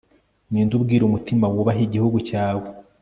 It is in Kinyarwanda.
ninde ubwira umutima wubahe igihugu cyawe